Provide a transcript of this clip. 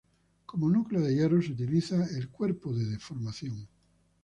Como núcleo de hierro se utiliza el cuerpo de deformación.